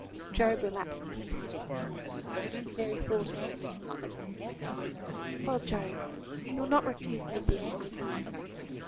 Job relapsed into silence. Mary thought a moment. "Well, Job, you'll not refuse me this, I know.